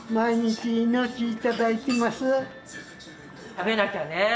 食べなきゃね。